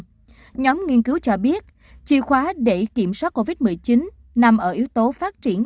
nhóm nghiên cứu cho biết chìa khóa để kiểm soát covid một mươi chín nằm ở yếu tố phát triển